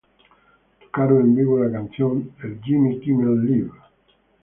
Tocaron en vivo la canción el Jimmy Kimmel Live!